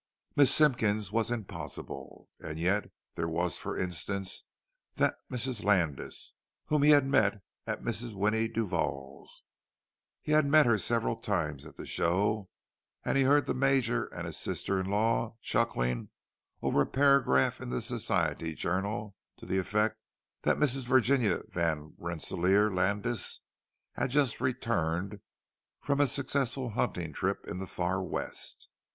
Miss Simpkins was "impossible"; and yet there was—for instance—that Mrs. Landis whom he had met at Mrs. Winnie Duval's. He had met her several times at the show; and he heard the Major and his sister in law chuckling over a paragraph in the society journal, to the effect that Mrs. Virginia van Rensselaer Landis had just returned from a successful hunting trip in the far West.